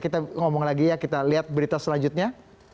kita ngomong lagi ya kita lihat berita selanjutnya